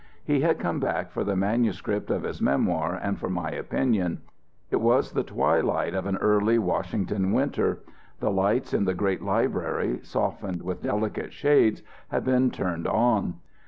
He had come back for the manuscript of his memoir and for my opinion. It was the twilight of an early Washington winter. The lights in the great library, softened with delicate shades, had been turned on.